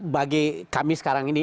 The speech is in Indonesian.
bagi kami sekarang ini